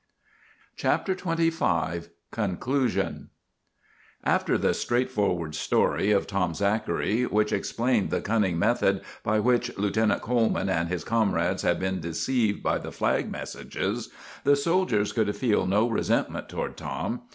CHAPTER XXV CONCLUSION After the straightforward story of Tom Zachary, which explained the cunning method by which Lieutenant Coleman and his comrades had been deceived by the flag messages, the soldiers could feel no resentment toward Tom.